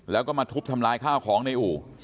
แล้วก็มาทุบทำลายข้าวของในอู่